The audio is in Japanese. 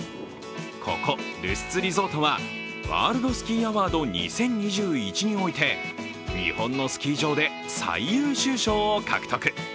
ここ、ルスツリゾートはワールド・スキー・アワード２０２１において日本のスキー場で最優秀賞を獲得。